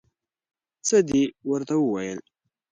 څه دې ورته وویل؟